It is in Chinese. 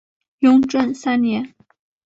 雍正三年。